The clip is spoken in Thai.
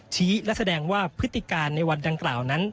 และแสดงว่าพฤติการในวันดังกล่าวนั้น